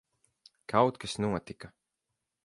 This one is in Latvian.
Kaut kas notika.